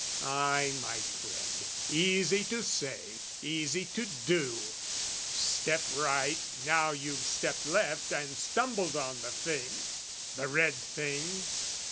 Ay, my friend, Easy to say, easy to do, step right Now you've stepped left and stumbled on the thing, The red thing!